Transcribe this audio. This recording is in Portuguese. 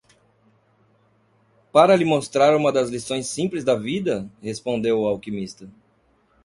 "Para lhe mostrar uma das lições simples da vida?", respondeu o alquimista.